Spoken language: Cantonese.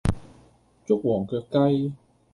捉黃腳雞